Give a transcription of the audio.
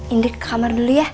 indri ke kamar dulu ya